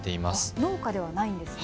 農家ではないんですね。